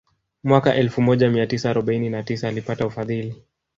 Mwaka elfu moja mia tisa arobaini na tisa alipata ufadhili